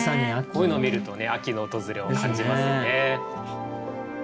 こういうのを見るとね秋の訪れを感じますよね。